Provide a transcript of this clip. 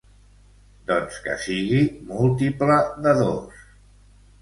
Doncs que sigui múltiple de dos.